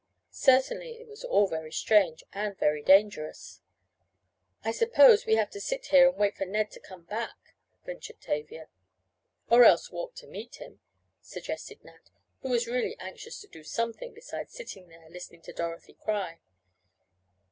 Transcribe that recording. Certainly it was all very strange, and very dangerous. "I suppose we have to sit here and wait for Ned to come back," ventured Tavia. "Or else walk to meet him," suggested Nat, who was really anxious to do something beside sitting there listening to Dorothy cry.